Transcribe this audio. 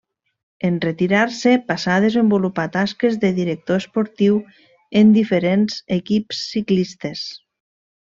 En retirar-se passà a desenvolupar tasques de director esportiu en diferents equips ciclistes.